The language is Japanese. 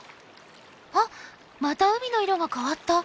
あっまた海の色が変わった。